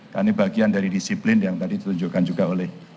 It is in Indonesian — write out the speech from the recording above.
karena ini bagian dari disiplin yang tadi ditunjukkan juga oleh